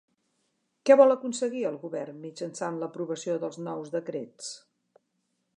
Què vol aconseguir el govern mitjançant l'aprovació dels nous decrets?